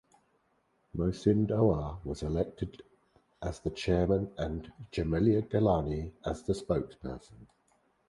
Mohsin Dawar was elected as the chairman and Jamila Gilani as the spokesperson.